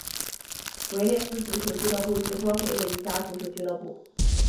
维列兹足球俱乐部是波黑的一家足球俱乐部。